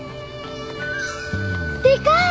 でかい！